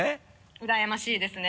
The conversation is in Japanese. うらやましいですね。